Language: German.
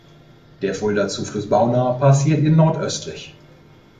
Der Fulda-Zufluss Bauna passiert ihn nordöstlich.